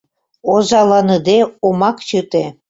— Озаланыде омак чыте.